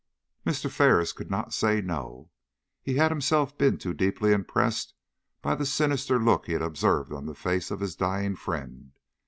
Mr. Ferris could not say No. He had himself been too deeply impressed by the sinister look he had observed on the face of his dying friend.